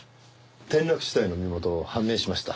転落死体の身元判明しました。